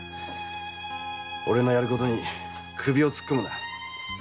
俺のやることに首を突っ込むな。